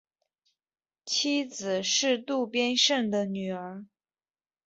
妻子是渡边胜的女儿。